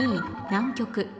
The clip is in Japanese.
「南極」